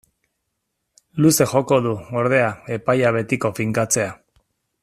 Luze joko du, ordea, epaia betiko finkatzea.